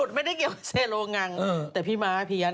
เมื่อวันที่๑ถึง๒๕กันยายนที่พาย